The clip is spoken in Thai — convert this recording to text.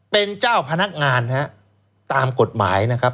เป็นเจ้าพนักงานตามกฎหมายนะครับ